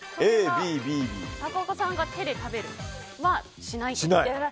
高岡さんが手で食べるはしないと？